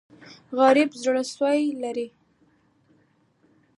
غریب د زړه سوز لري